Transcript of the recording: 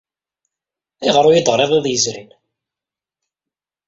Ayɣer ur iyi-d-teɣriḍ iḍ yezrin?